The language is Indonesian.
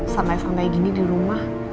santai santai gini di rumah